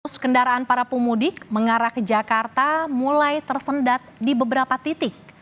arus kendaraan para pemudik mengarah ke jakarta mulai tersendat di beberapa titik